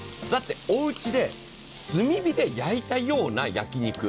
だって、おうちで炭火で焼いたような焼き肉。